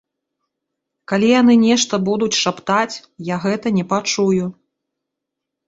Калі яны нешта будуць шаптаць, я гэта не пачую.